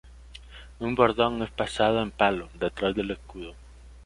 Un bordón es pasado en palo detrás del escudo.